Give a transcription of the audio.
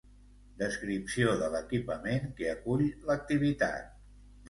Descripció de l'equipament que acull l'activitat.